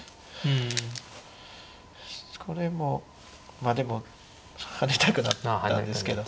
これもまあでもハネたくなったんですけど。